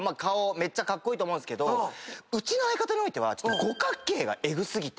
めっちゃカッコイイと思うんすけどうちの相方においてはちょっと五角形がエグ過ぎて。